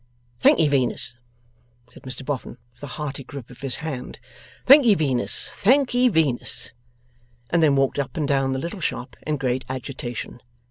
'Thank'ee, Venus!' said Mr Boffin, with a hearty grip of his hand; 'thank'ee, Venus, thank'ee, Venus!' And then walked up and down the little shop in great agitation.